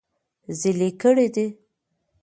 زېلې کړي دي -